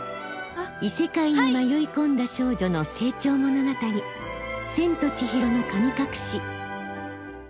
異世界に迷い込んだ少女の成長物語「千と千尋の神隠し」。